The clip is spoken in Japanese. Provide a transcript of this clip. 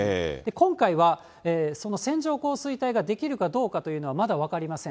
今回はその線状降水帯が出来るかどうかというのはまだ分かりません。